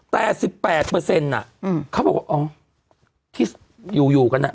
แต่๑๘เขาบอกว่าอ๋อที่อยู่กัน